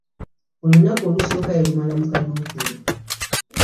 Olunaku olusooka yalumala mu kaduukulu.